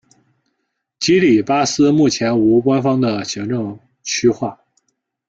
基里巴斯目前无官方的行政区划。